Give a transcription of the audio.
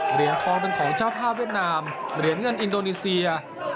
เหรียญทองเป็นของเจ้าภาพเวียดนามเหรียญเงินอินโดนีเซีย